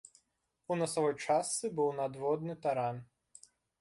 У насавой частцы быў надводны таран.